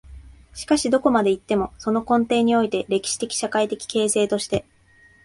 しかしどこまで行っても、その根底において、歴史的・社会的形成として、